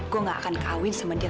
gue gak akan kawin sama dia